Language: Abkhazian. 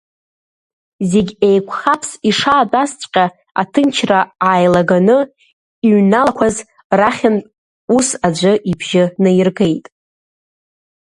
Зегь еиқәхаԥс ишаатәазҵәҟьа аҭынчра ааилаганы иҩналақәаз рахьынтә ус аӡәы ибжьы наиргеит.